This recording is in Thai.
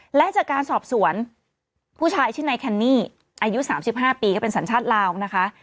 และจากการสอบสวนผู้ชายชื่อนายแคนนี่อายุ๓๕ปีก็เป็นสัญชาติลาวนะคะ